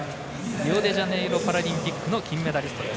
リオデジャネイロパラリンピックの金メダリストです。